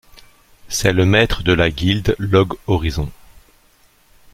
C'est le maître de la guilde Log Horizon.